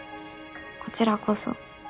こちらこそ。